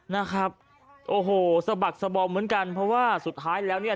นะครับโอ้โหสะบักสบอมเหมือนกันเพราะว่าสุดท้ายแล้วเนี่ย